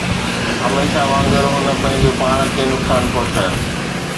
هميشه وانگر، هن پنهنجو پاڻ کي نقصان پهچايو.